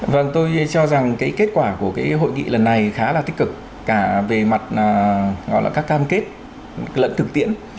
vâng tôi cho rằng cái kết quả của cái hội nghị lần này khá là tích cực cả về mặt gọi là các cam kết lẫn thực tiễn